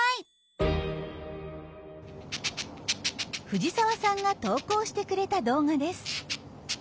藤澤さんが投稿してくれた動画です。